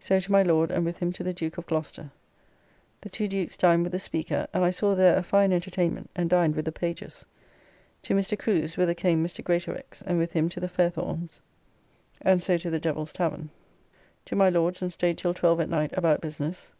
So to my Lord and with him to the Duke of Gloucester. The two Dukes dined with the Speaker, and I saw there a fine entertainment and dined with the pages. To Mr. Crew's, whither came Mr. Greatorex, and with him to the Faithornes, and so to the Devils tavern. To my Lord's and staid till 12 at night about business.